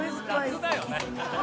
雑だよね。